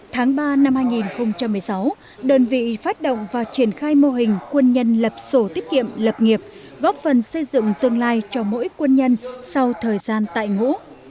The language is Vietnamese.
tháng ba năm hai nghìn một mươi sáu đơn vị phát động và triển khai mô hình quân nhân lập sổ tiết kiệm lập nghiệp góp phần xây dựng tương lai cho mỗi quân nhân sau thời gian tại ngũ